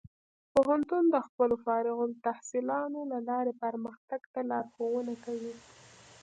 پوهنتون د خپلو فارغ التحصیلانو له لارې پرمختګ ته لارښوونه کوي.